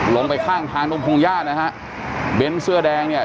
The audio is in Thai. ลงไปข้างทางนมพรุงญาตินะฮะเบนซื้อแดงเนี้ย